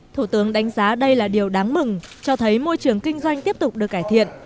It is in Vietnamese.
thủ tướng đánh giá đây là điều đáng mừng cho thấy môi trường kinh doanh tiếp tục được cải thiện